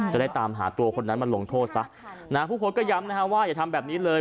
จะได้ตามหาตัวคนนั้นมาลงโทษซะนะฮะผู้โพสต์ก็ย้ำนะฮะว่าอย่าทำแบบนี้เลย